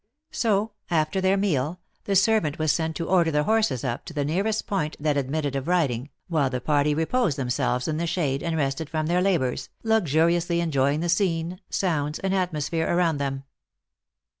So, after their meal, the ser 98 THE ACTRESS IN HIGH LIFE. vant was sent to order the horses up to the nearest point that admitted of riding, while the party reposed themselves in the shade and rested from their labors, luxuriously enjoying the scene, sounds, and atmos phere around them.